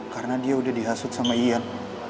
karena dia udah dihasut sama ian